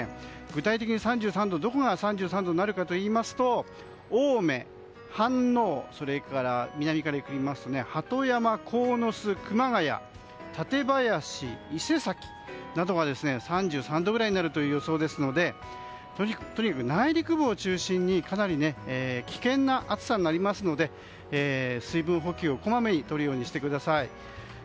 具体的に、どこが３３度になるかといいますと青梅、飯能それから南からいきますと鳩山、鴻巣熊谷、館林、伊勢崎などが３３度ぐらいになる予想ですのでとにかく内陸部を中心にかなり危険な暑さになりますので水分補給をこまめにとるようにしてください。